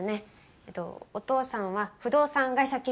えっとお父さんは不動産会社勤務。